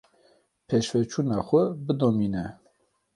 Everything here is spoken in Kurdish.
Pêşveçûna xwe bidomîne.